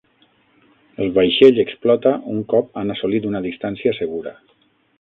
El vaixell explota un cop han assolit una distància segura.